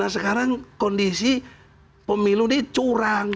sekarang kondisi pemilu ini curang